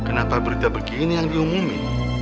kenapa berita begini yang diumumin